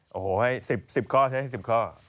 โอ้โหให้๑๐ข้อใช้ให้๑๐ข้อ